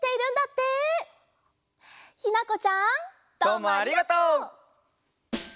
どうもありがとう！